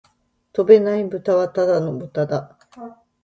飛べないブタはただの豚だ